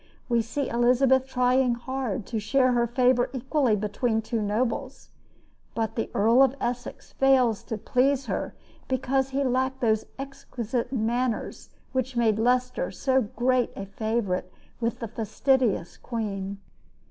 We see Elizabeth trying hard to share her favor equally between two nobles; but the Earl of Essex fails to please her because he lacked those exquisite manners which made Leicester so great a favorite with the fastidious queen.